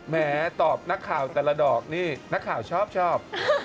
แม้ตอบนักข่าวแต่ละดอกนี่นักข่าวชอบ